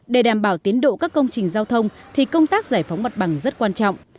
để đảm bảo tiến độ các công trình giao thông thì công tác giải phóng mặt bằng rất quan trọng